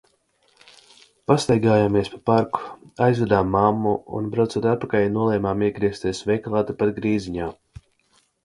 Pastaigājamies pa parku, aizvedām mammu un, braucot atpakaļ, nolēmām iegriezties veikalā tepat Grīziņā.